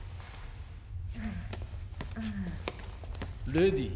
レディー